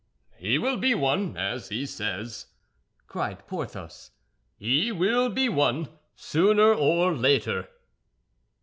"He will be one, as he says," cried Porthos; "he will be one, sooner or later."